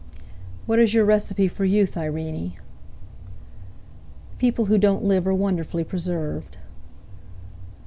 "What is your recipe for youth, Irene?" "People who don't live are wonderfully preserved."